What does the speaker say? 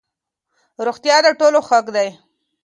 روغتيا د ټولو حق دی.